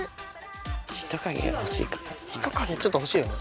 ちょっとほしいよね。